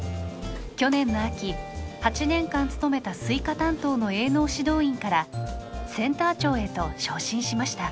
去年の秋８年間務めたスイカ担当の営農指導員からセンター長へと昇進しました。